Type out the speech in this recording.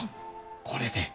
これで。